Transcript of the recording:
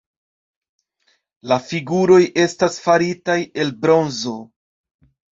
La figuroj estas faritaj el bronzo.